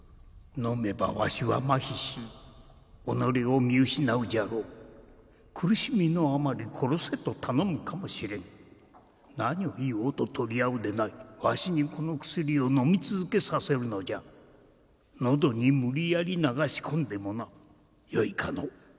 飲めばわしはマヒし己を見失うじゃろう苦しみのあまり殺せと頼むかもしれん何を言おうと取り合うでないわしにこの薬を飲み続けさせるのじゃのどに無理やり流し込んでもなよいかのう？